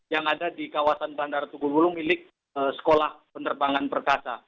yang ada di kawasan bandara tunggul hulu milik sekolah penerbangan perkasa